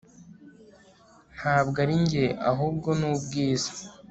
ntabwo ari njye ahubwo ni ubwiza